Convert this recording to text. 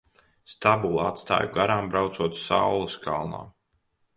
Stabuli atstāju garām braucot saules kalnā.